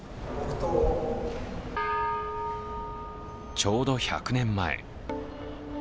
ちょうど１００年前。